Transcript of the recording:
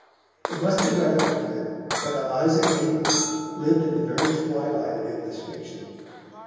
It must be recollected that Eliza Haywood lived in the very twilight of English fiction.